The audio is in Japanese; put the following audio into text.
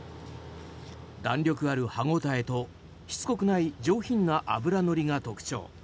弾力ある歯応えとしつこくない上品な脂乗りが特徴。